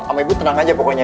sama ibu tenang aja pokoknya